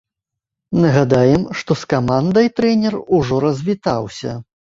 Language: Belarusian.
Нагадаем, што з камандай трэнер ужо развітаўся.